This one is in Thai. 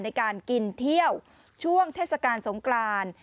ในการกินเที่ยวช่วงเทศกาลสงกราน